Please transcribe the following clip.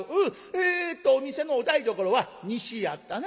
えっとお店のお台所は西やったな？